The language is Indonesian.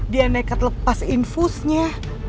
dia nekat lepas infusnya